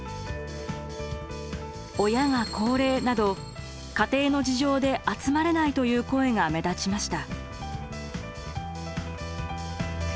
「親が高齢」など家庭の事情で集まれないという声が目立ちました。